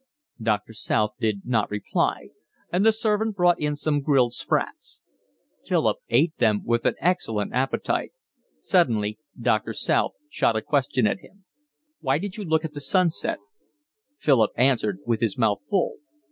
Doctor South did not reply, and the servant brought in some grilled sprats. Philip ate them with an excellent appetite. Suddenly Doctor South shot a question at him. "Why did you look at the sunset?" Philip answered with his mouth full.